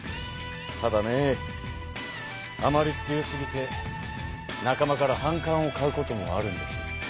ただねあまり強すぎて仲間から反感を買うこともあるんです。